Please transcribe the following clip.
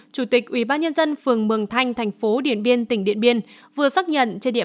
chủ tịch ubnd phường mường thanh thành phố điện biên tỉnh điện biên vừa xác nhận trên địa